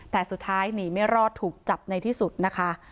แต่สุดท้ายหนีไม่รอดถูกจับในที่สุดนะคะ